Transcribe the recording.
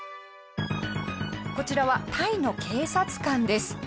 こちらはタイの警察官です。